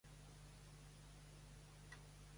Preguem que la història es conti!- recalcaven els demés.